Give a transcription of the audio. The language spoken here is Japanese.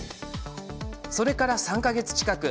それから３か月近く。